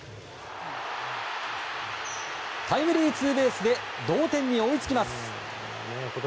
タイムリーツーベースで同点に追いつきます。